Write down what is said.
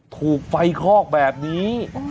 ถูกไฟคลอกแบบนี้